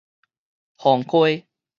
磺溪